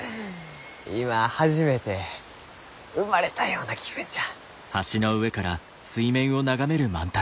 今初めて生まれたような気分じゃ。